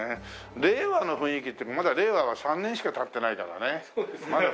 令和の雰囲気っていってもまだ令和は３年しか経ってないからね。